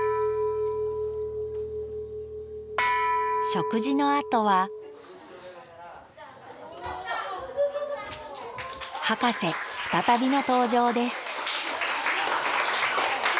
食事のあとはハカセ再びの登場です